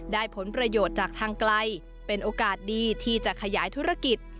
ผลประโยชน์จากทางไกลเป็นโอกาสดีที่จะขยายธุรกิจ